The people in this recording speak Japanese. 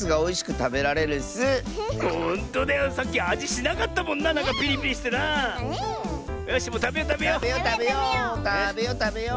たべよたべよう。